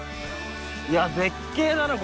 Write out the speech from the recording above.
いや絶景だな